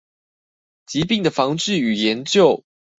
疾病的防治與研究